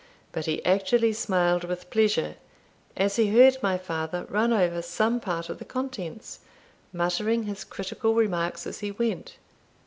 But he actually smiled with pleasure as he heard my father run over some part of the contents, muttering his critical remarks as he went on.